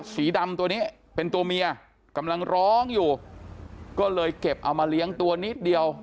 สีดำตัวนี้เป็นตัวเมียกำลังร้องอยู่ก็เลยเก็บเอามาเลี้ยงตัวนิดเดียว